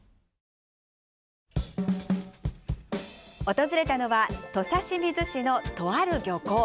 訪れたのは土佐清水市のとある漁港。